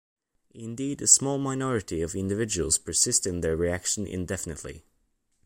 Indeed a small minority of individuals persist in their reaction indefinitely.